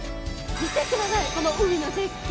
見てください、この海の絶景。